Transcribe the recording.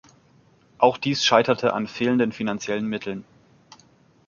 Auch dies scheiterte an fehlenden finanziellen Mitteln.